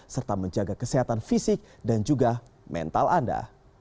serta menjaga kesehatan fisik dan juga mental anda